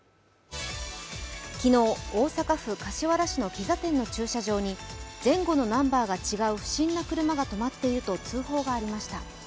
昨日、大阪府柏原市のピザ店の駐車場に前後のナンバーが違う不審な車が止まっていると通報がありました。